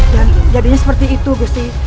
dan jadinya seperti itu gusti